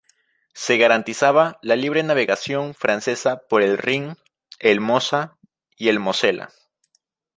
Se garantizaba la libre navegación francesa por el Rin, el Mosa y el Mosela.